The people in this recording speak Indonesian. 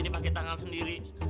ini pake tangan sendiri